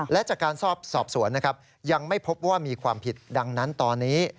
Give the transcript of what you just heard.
และจากการสอบสวนนะครับยังไม่พบว่ามีความผิดดังนั้นตอนนี้